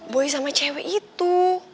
boy sama cewek itu